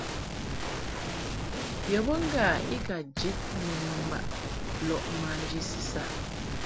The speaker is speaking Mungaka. Yɔ be ŋgâ i ka jid ni mɨmbaʼ lɔʼ manji sisa.